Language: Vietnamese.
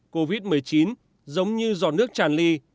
covid một mươi chín giống như giò nước tràn ly